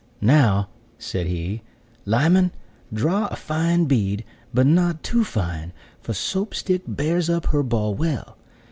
"Now," said he, "Lyman, draw a fine bead, but not too fine; for Soap stick bears up her ball well.